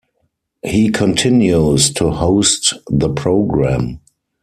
He continues to host the program.